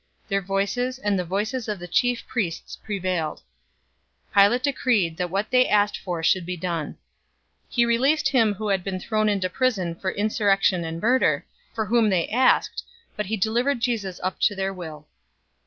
Their voices and the voices of the chief priests prevailed. 023:024 Pilate decreed that what they asked for should be done. 023:025 He released him who had been thrown into prison for insurrection and murder, for whom they asked, but he delivered Jesus up to their will.